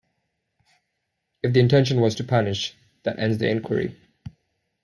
If the intention was to punish, that ends the inquiry.